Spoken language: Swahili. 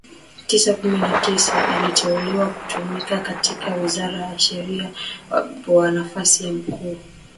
tisa kumi na tisa aliteuliwa kutumika katika Wizara ya Sheria wa nafasi ya mkuu